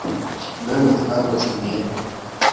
mana twagucumuyeho